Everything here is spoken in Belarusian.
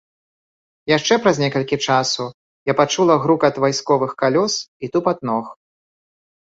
Яшчэ праз некалькі часу я пачула грукат вайсковых калёс і тупат ног.